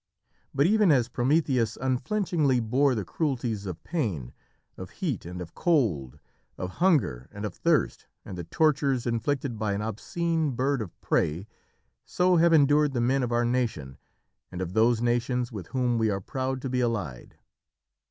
But even as Prometheus unflinchingly bore the cruelties of pain, of heat and of cold, of hunger and of thirst, and the tortures inflicted by an obscene bird of prey, so have endured the men of our nation and of those nations with whom we are proud to be allied.